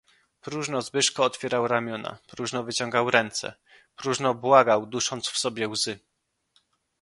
"Próżno Zbyszko otwierał ramiona, próżno wyciągał ręce, próżno błagał, dusząc w sobie łzy."